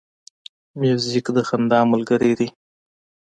موزیک د خندا ملګری دی.